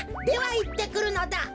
ではいってくるのだ。